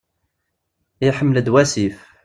Iḥemmel-d wasif.